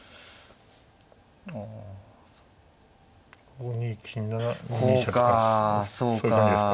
５二金なら２二飛車とかそういう感じですか。